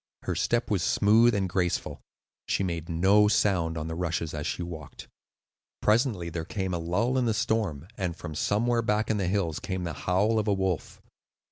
Her step was smooth and graceful; she made no sound on the rushes as she walked. Presently there came a lull in the storm, and from somewhere back in the hills came the howl of a wolf.